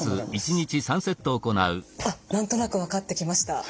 あっ何となく分かってきました。